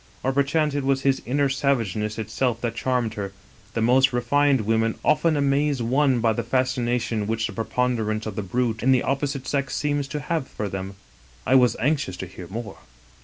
Or perchance it was his inner savageness itself that charmed her ; the most re fined women often amaze one by the fascination which the preponderance of the brute in the opposite sex seems to have for them. " I was anxious to hear more.